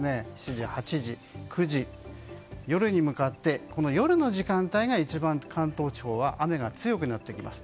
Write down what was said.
７時から９時など夜に向かって夜の時間帯が関東地方は雨が強くなってきます。